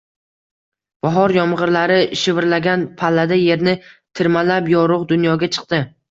Bahor yomg’irlari shivirlagan pallada yerni tirmalab, yorug’ dunyoga chiqdi.